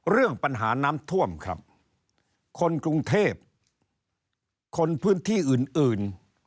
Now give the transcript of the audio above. เรื่องปัญหาน้ำท่วมครับคนกรุงเทพคนพื้นที่อื่นอื่น